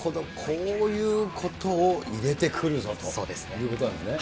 こういうことを入れてくるぞということなんですね。